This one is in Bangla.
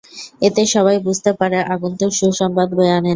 এতে সবাই বুঝতে পারে, আগন্তুক সুসংবাদ বয়ে আনেননি।